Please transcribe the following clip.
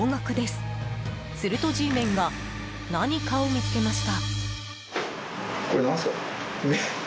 するとＧメンが何かを見つけました。